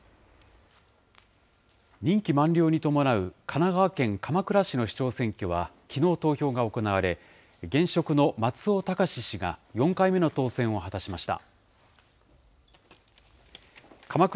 任期満了に伴う神奈川県鎌倉市の市長選挙は、きのう投票が行われ、現職の松尾崇氏が４回目の当選を果たしました。